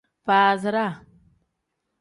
Faaziraa.